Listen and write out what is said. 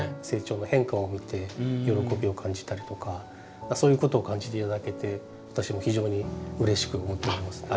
成長の変化を見て喜びを感じたりとかそういうことを感じて頂けて私も非常にうれしく思っております。